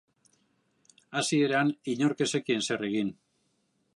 Hasieran, inork ez zekien zer egin.